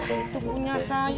itu punya saya